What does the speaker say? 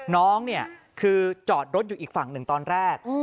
น้องเนี่ยคือจอดรถอยู่อีกฝั่งหนึ่งตอนแรก